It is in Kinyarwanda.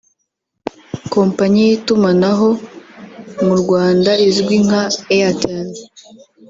Kompanyi y’itumanaho mu Rwanda izwi nka Airtel